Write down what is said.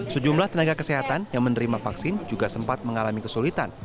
sejumlah tenaga kesehatan yang menerima vaksin juga sempat mengalami kesulitan